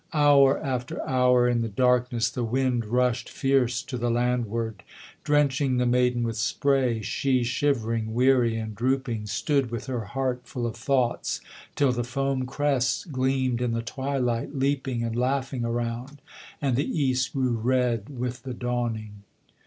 Hour after hour in the darkness the wind rushed fierce to the landward, Drenching the maiden with spray; she shivering, weary and drooping, Stood with her heart full of thoughts, till the foam crests gleamed in the twilight, Leaping and laughing around, and the east grew red with the dawning.